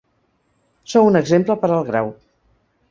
Sou un exemple per al Grau.